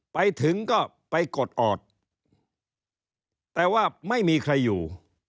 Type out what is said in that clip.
ไปถึงก็ไปกดออดแต่ว่าไม่มีใครอยู่